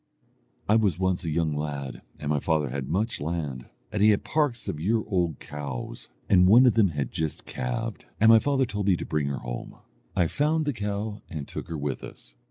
"I was once a young lad, and my father had much land, and he had parks of year old cows, and one of them had just calved, and my father told me to bring her home. I found the cow, and took her with us.